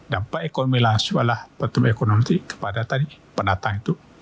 dampak ekonomi langsung adalah pertumbuhan ekonomi kepada tadi penantang itu